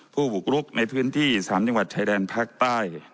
ผู้ปลุกรุกในพื้นที่สามจังหวัดไทยแดนภาคใต้